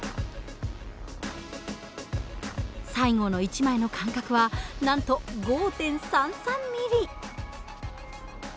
最後の１枚の間隔はなんと５．３３ミリ。